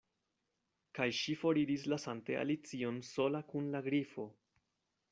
Kaj ŝi foriris lasante Alicion sola kun la Grifo.